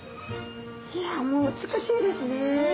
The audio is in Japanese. いやもう美しいですね。